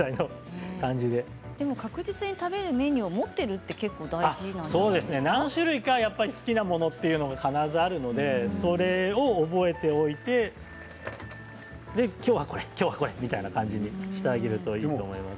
でも確実に食べるメニュー何種類か好きなものは必ずあるのでそれを覚えておいてきょうはこれ、きょうはこれみたいな感じにしてあげるといいと思います。